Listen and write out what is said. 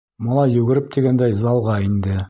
Малай йүгереп тигәндәй залға инде.